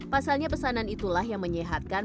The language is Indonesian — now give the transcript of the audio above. pasalnya pesanan itulah yang menyehatkan